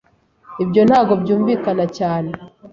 Ibyo ntabwo byumvikana cyane.